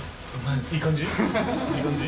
いい感じ？